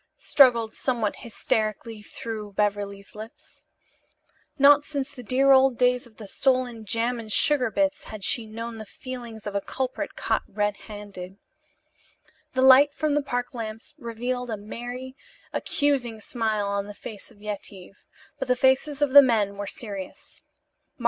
struggled somewhat hysterically through Beverly's lips. Not since the dear old days of the stolen jam and sugar bits had she known the feelings of a culprit caught red handed. The light from the park lamps revealed a merry, accusing smile on the face of Yetive, but the faces of the men were serious.